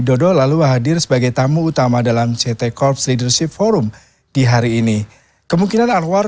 dodo lalu hadir sebagai tamu utama dalam ct corps leadership forum di hari ini kemungkinan anwar